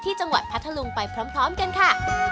จังหวัดพัทธลุงไปพร้อมกันค่ะ